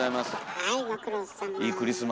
はいご苦労さま。